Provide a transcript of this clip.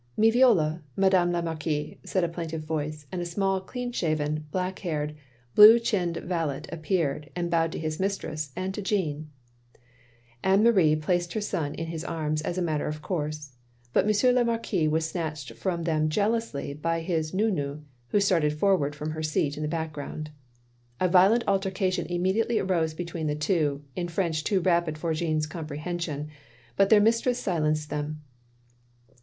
"Me voilk, Madame la Marquise," said a plaintive voice, and a small clean shaven, black haired, blue chinned valet appeared, and bowed to his mistress and to Jeanne. Anne Marie placed her son in his arms as a matter of course; but M. le Marquis was snatched from them jeal ously by his naur nou, who started forward from her seat in the background. A violent altercation immediately arose be tween the two, in French too rapid for Jeanne's comprehension, but their mistress silenced them.